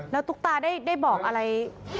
แล้วตุ๊กตาได้บอกอะไร